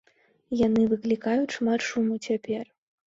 Яны выклікаюць шмат шуму цяпер.